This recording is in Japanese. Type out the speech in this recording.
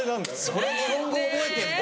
それ日本語覚えてんだ。